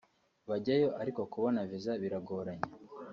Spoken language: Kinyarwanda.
bajyayo ariko kubona viza biragoranye